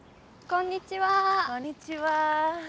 こんにちは。